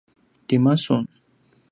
tima sun?